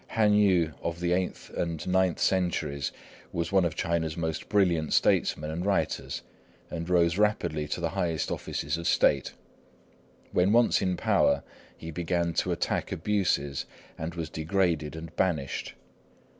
Han Yü of the eighth and ninth centuries was one of China's most brilliant statesmen and writers, and rose rapidly to the highest offices of State. When once in power, he began to attack abuses, and was degraded and banished.